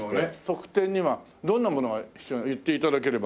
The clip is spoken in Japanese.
特典にはどんなものが必要言って頂ければ。